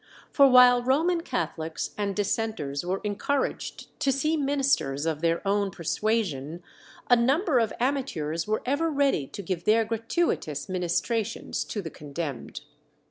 For while Roman Catholics and Dissenters were encouraged to see ministers of their own persuasion, a number of amateurs were ever ready to give their gratuitous ministrations to the condemned.